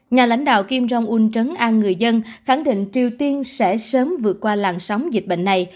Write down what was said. nhà lãnh đạo kim rong un trấn an người dân khẳng định triều tiên sẽ sớm vượt qua làn sóng dịch bệnh này